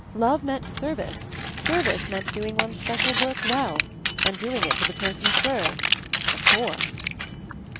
Love meant service, service meant doing one's special work well, and doing it for the per sons served — of course